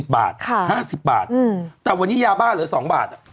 บาท๕๐บาทแต่วันนี้ยาบ้าเหลือ๒บาท